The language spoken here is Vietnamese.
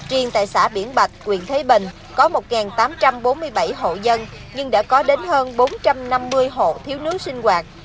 riêng tại xã biển bạch quyện thế bình có một tám trăm bốn mươi bảy hộ dân nhưng đã có đến hơn bốn trăm năm mươi hộ thiếu nước sinh hoạt